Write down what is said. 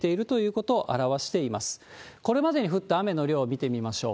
これまでに降った雨の量を見てみましょう。